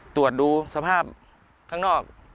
ตรวจดูสภาพข้างนอก